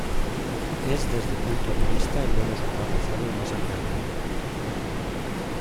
Es desde punto de vista el menos urbanizado y más agrario.